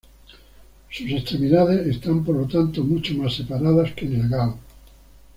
Sus extremidades están por lo tanto mucho más separadas que en el gaur.